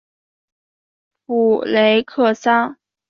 普雷克桑。